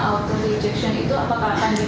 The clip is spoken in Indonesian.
auto rejection itu apakah akan di